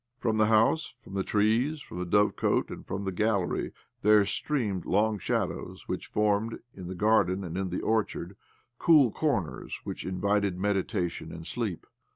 From the house, from the trees, from the dovecote, and from the gallery there streamed long shadows which formed, in the garden and in the orchard, cool corners which invited meditation and OBLOMOV 93. sleep.